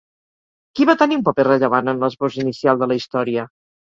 Qui va tenir un paper rellevant en l'esbós inicial de la història?